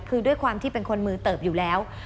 คือด้วยความที่เป็นคนมือเติบอยู่แล้ว